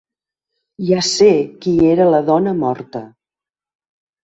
Ja sé qui era la dona morta!